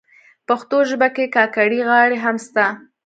پښتو ژبه کي کاکړۍ غاړي هم سته.